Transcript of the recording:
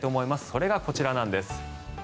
それがこちらなんです。